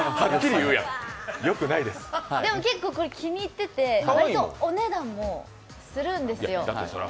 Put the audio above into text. でも、これ結構気に入っててお値段もするんですよ。